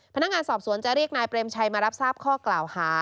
พนักงานสอบสวนจะเรียกนายเปรมชัยมารับทราบข้อกล่าวหา